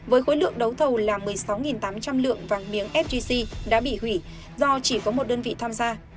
với khối lượng đấu thầu là một mươi sáu tám trăm linh lượng vàng miếng sgc đã bị hủy do chỉ có một đơn vị tham gia